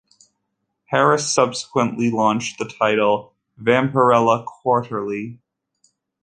Harris subsequently launched the title "Vampirella Quarterly".